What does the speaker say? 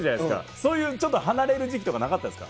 そういうちょっと離れる時期とかなかったですか？